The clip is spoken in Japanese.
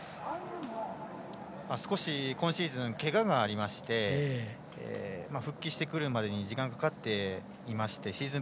今シーズンけががありまして復帰してくるまで時間かかっていましてシーズン